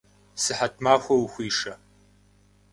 Сыхьэт махуэ ухуишэ!